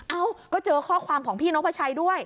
เอ้าก็เจอข้อความของพี่นกพระชัยด้วย